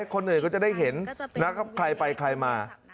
คนเหนื่อยก็จะได้เห็นใครไปใครมา